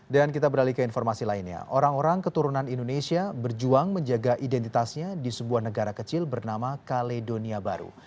dan kita beralih ke informasi lainnya orang orang keturunan indonesia berjuang menjaga identitasnya di sebuah negara kecil bernama kaledonia baru